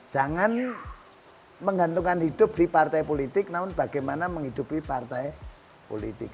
jangan menggantungkan hidup di partai politik namun bagaimana menghidupi partai politik